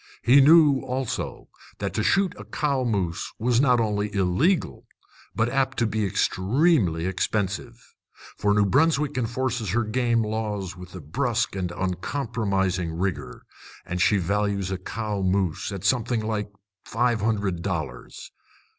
He knew, also, that to shoot a cow moose was not only illegal, but apt to be extremely expensive. For New Brunswick enforces her game laws with a brusque and uncompromising rigor; and she values a cow moose at something like five hundred dollars.